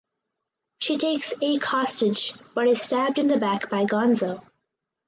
She takes Ake hostage but is stabbed in the back by Gonzo.